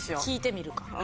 聞いてみるか？